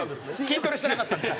筋トレしてなかったんで。